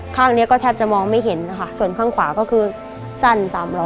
ข้างนี้ก็แทบจะมองไม่เห็นนะคะส่วนข้างขวาก็คือสั้นสามล้อ